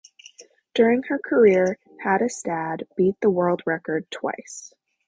During her career, Hattestad beat the world record twice.